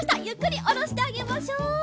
ゆっくりおろしてあげましょう。